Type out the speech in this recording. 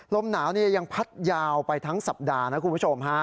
ลมหนาวยังพัดยาวไปทั้งสัปดาห์นะคุณผู้ชมฮะ